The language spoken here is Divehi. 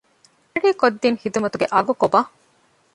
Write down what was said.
ދަގަނޑޭ ކޮށްދިން ހިދުމަތުގެ އަގު ކޮބާ؟